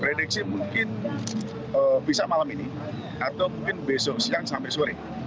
prediksi mungkin bisa malam ini atau mungkin besok siang sampai sore